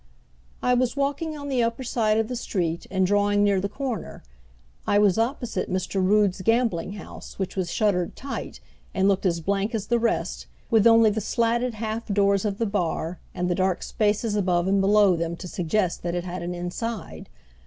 I was walking on the upper side of the street, and drawing near the corner. I was opposite Mr. Rood's gambling house, which was shuttered tight, and looked as blank as the rest, with only the slatted half doors of the bar and the dark spaces above and below them to suggest that it had an inside.